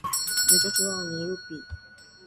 Mtoto wao ni yupi?